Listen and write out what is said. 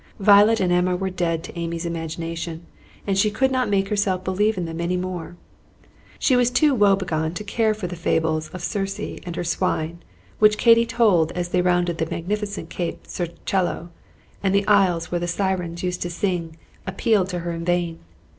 Violet and Emma were dead to Amy's imagination, and she could not make herself believe in them any more. She was too woe begone to care for the fables of Circe and her swine which Katy told as they rounded the magnificent Cape Circello, and the isles where the sirens used to sing appealed to her in vain.